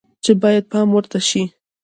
چې باید پام ورته شي